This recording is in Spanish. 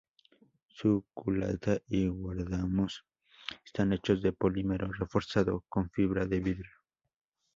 Su culata y guardamanos están hechos de polímero reforzado con fibra de vidrio.